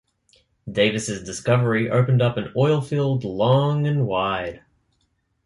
Davis' discovery opened up an oilfield long and wide.